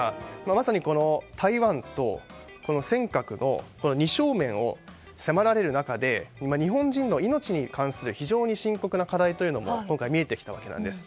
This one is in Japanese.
まさに台湾と尖閣の二正面を迫られる中で日本人の命に関する非常に深刻な課題というのも今回、見えてきたわけです。